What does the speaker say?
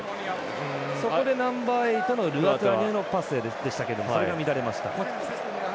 そこでナンバーエイトのルアトゥアへのパスでしたがそれが乱れました。